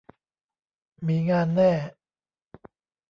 มีงานแน่